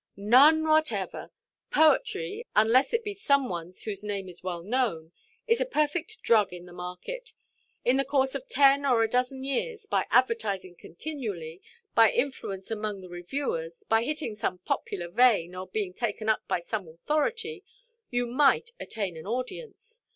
"None whatever. Poetry, unless it be some oneʼs whose name is well known, is a perfect drug in the market. In the course of ten or a dozen years, by advertising continually, by influence among the reviewers, by hitting some popular vein, or being taken up by some authority, you might attain an audience.